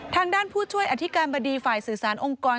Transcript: ทางด้านผู้ช่วยอธิการบดีฝ่ายสื่อสารองค์กร